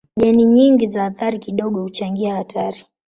Jeni nyingi za athari kidogo huchangia hatari.